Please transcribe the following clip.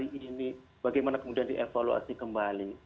ini awal sampai hari ini bagaimana kemudian dievaluasi kembali